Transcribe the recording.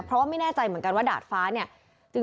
เพราะว่าไม่แน่ใจเหมือนกันว่าดาดฟ้าเนี่ย